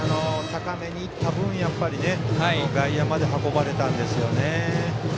高めにいった分外野まで運ばれたんですね。